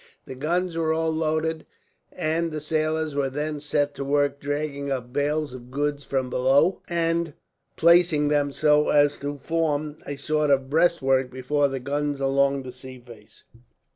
The guns were all loaded, and the sailors then set to work dragging up bales of goods from below, and placing them so as to form a sort of breastwork before the guns along the sea face.